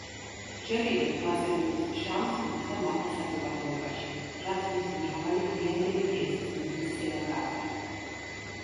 ჯერ კიდევ ყმაწვილობის ჟამს მოხვდა მაღალ საზოგადოებაში, რაც მისი მრავალი გვიანდელი პიესის მიზანსცენა გახდა.